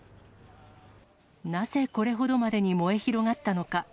なぜこれほどまでに燃え広がったのか。